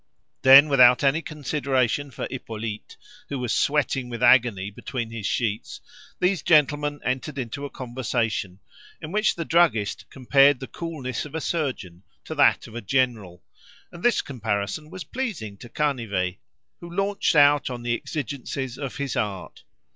Then, without any consideration for Hippolyte, who was sweating with agony between his sheets, these gentlemen entered into a conversation, in which the druggist compared the coolness of a surgeon to that of a general; and this comparison was pleasing to Canivet, who launched out on the exigencies of his art.